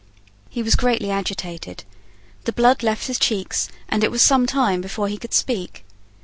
He was greatly agitated. The blood left his cheeks; and it was some time before he could speak.